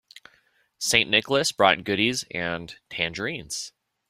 St. Nicholas brought goodies and tangerines.